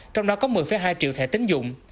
trong đó có một mươi hai triệu thẻ tính dụng